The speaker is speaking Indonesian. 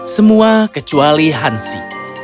semua kecuali hansi